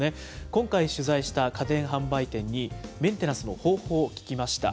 今回取材した家電販売店に、メンテナンスの方法を聞きました。